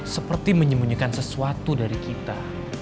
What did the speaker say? seperti menyembunyikan sesuatu dari kita